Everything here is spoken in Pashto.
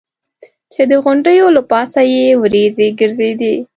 چې د غونډیو له پاسه یې ورېځې ګرځېدې.